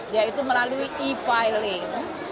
yaitu melalui e filing